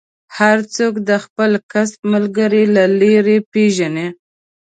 هر څوک د خپل کسب ملګری له لرې پېژني.